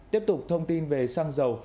tiếp tục thông tin về sang giàu